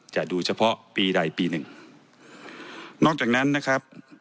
ดูเฉพาะปีใดปีหนึ่งนอกจากนั้นนะครับ